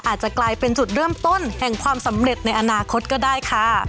อาจจะกลายเป็นจุดเริ่มต้นแห่งความสำเร็จในอนาคตก็ได้ค่ะ